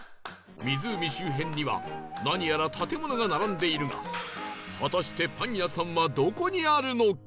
湖周辺には何やら建物が並んでいるが果たしてパン屋さん。